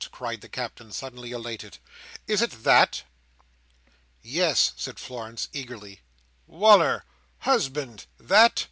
cried the Captain, suddenly elated, "Is it that?" "Yes!" said Florence, eagerly. "Wal"r! Husband! THAT?"